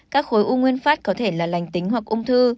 các khối u nguyên phát có thể là lành tính hoặc ung thư